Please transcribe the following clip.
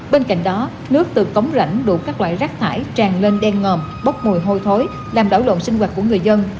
bên cạnh đó nước từ cống rảnh đủ các loại rác thải tràn lên đen ngòm bốc mùi hôi thối làm đảo lộn sinh hoạt của người dân